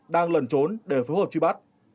đang lẩn trốn để phối hợp truy bắt